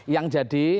yang jadi persoalan